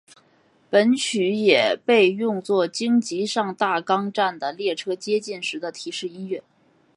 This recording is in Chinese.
本曲也被用作京急上大冈站的列车接近时的提示音乐。